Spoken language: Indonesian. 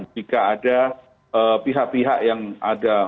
jika ada pihak pihak yang ada